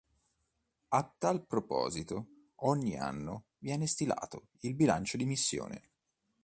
A tal proposito, ogni anno viene stilato il "Bilancio di Missione".